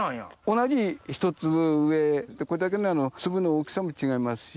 同じひと粒植えでこれだけ粒の大きさも違いますし。